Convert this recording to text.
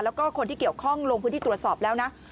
แล้วก็คนที่เกี่ยวข้องลงพื้นที่ตรวจสอบแล้วนะ